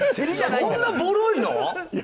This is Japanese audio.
そんなぼろいの？